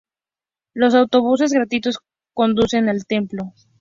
Los autobuses gratuitos conducen al templo.